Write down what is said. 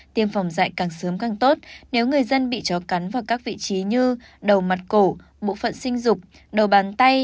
tiêm phòng dạy càng sớm càng tốt nếu người dân bị chó cắn vào các vị trí như đầu mặt cổ bộ phận sinh dục đầu bàn tay